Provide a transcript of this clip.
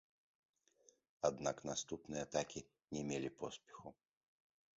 Аднак наступныя атакі не мелі поспеху.